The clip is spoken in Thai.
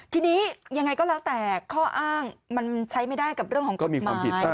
ทีนี้ยังไงก็แล้วแต่ข้ออ้างมันใช้ไม่ได้กับเรื่องของกฎหมาย